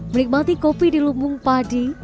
menikmati kopi di lumbung padi